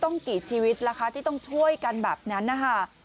กี่ชีวิตล่ะคะที่ต้องช่วยกันแบบนั้นนะคะ